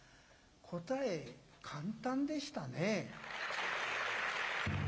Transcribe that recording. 答え、簡単でしたね。